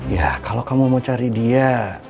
ya kalau kamu mau cari dia